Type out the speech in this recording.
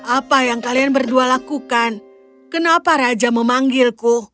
apa yang kalian berdua lakukan kenapa raja memanggilku